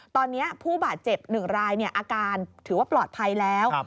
ตอนนี้ผู้บาดเจ็บ๑รายอาการถือว่าปลอดภัยแล้ว